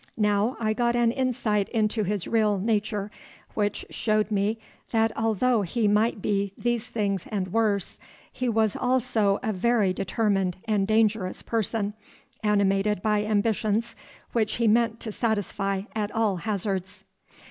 Now I got an insight into his real nature which showed me that although he might be these things and worse, he was also a very determined and dangerous person, animated by ambitions which he meant to satisfy at all hazards.